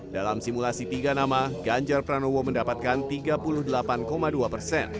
dalam simulasi tiga nama ganjar pranowo mendapatkan tiga puluh delapan dua persen